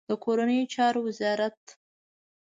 د کورنیو چارو وزارت